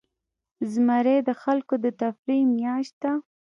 زمری د خلکو د تفریح میاشت ده.